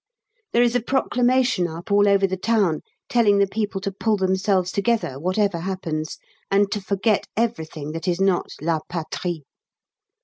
There is a Proclamation up all over the town telling the people to pull themselves together whatever happens, and to forget everything that is not La Patrie.